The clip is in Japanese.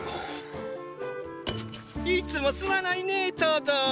いつもすまないねェトド。